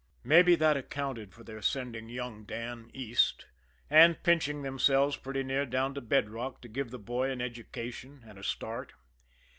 Maybe that accounted for their sending young Dan East, and pinching themselves pretty near down to bed rock to give the boy an education and a start.